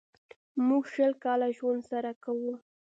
موږ شل کاله ژوند سره کوو.